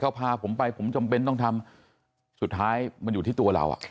เขาพาผมไปผมจำเป็นต้องทำสุดท้ายมันอยู่ที่ตัวเราอ่ะ